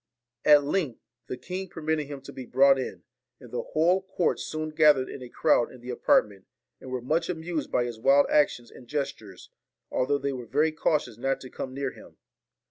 At length the king permitted him to be brought in ; and the whole court soon gathered in a crowd in the apartment, and were much amused by his wild actions and gestures, although they were very cautious not to come near him.